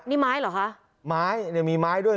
นี่ไม้เหรอครับไม้มีไม้ด้วย